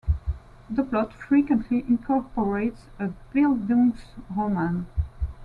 The plot frequently incorporates a "bildungsroman".